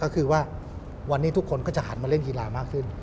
ก็คือว่าวันนี้ทุกคนก็จะหันมาเล่นกีฬามากขึ้น